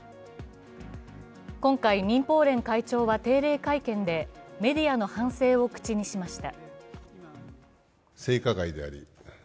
今回、民放連会長は定例会見でメディアの反省を口にしました。